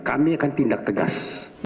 kami akan tindak tegas